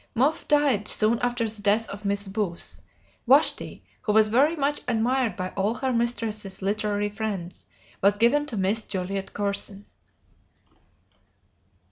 Muff died soon after the death of Miss Booth. Vashti, who was very much admired by all her mistress's literary friends, was given to Miss Juliet Corson.